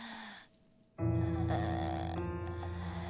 ああ。